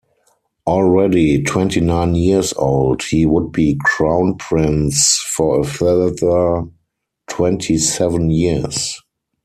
Already twenty-nine years old, he would be Crown Prince for a further twenty-seven years.